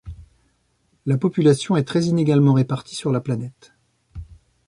La population est très inégalement répartie sur la planète.